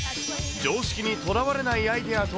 常識にとらわれないアイデアと。